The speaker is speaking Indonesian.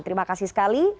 terima kasih sekali